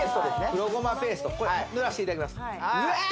黒ごまペーストこれ塗らしていただきますうわ